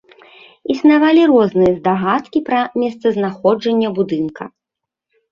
Існавалі розныя здагадкі пра месцазнаходжанне будынка.